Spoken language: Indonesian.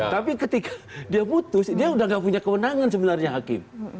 tapi ketika dia putus dia udah gak punya kewenangan sebenarnya hakim